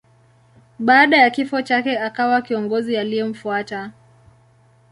Baada ya kifo chake akawa kiongozi aliyemfuata.